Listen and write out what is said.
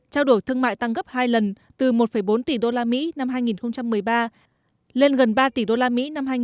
trao đổi thương mại tăng gấp hai lần từ một bốn tỷ usd năm hai nghìn một mươi ba lên gần ba tỷ usd năm hai nghìn một mươi